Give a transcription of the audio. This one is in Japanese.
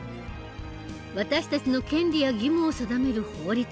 私たちの権利や義務を定める法律。